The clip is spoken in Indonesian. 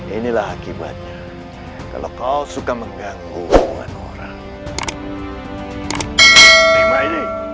inilah akibatnya kalau kau suka mengganggu hubungan orang